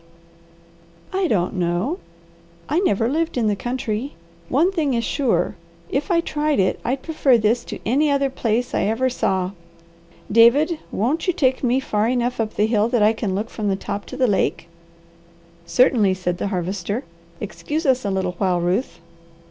"I don't know. I never lived in the country. One thing is sure: If I tried it, I'd prefer this to any other place I ever saw. David, won't you take me far enough up the hill that I can look from the top to the lake?" "Certainly," said the Harvester. "Excuse us a little while, Ruth!"